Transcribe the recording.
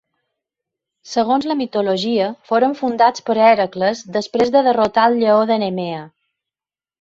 Segons, la mitologia, foren fundats per Hèracles després de derrotar el lleó de Nemea.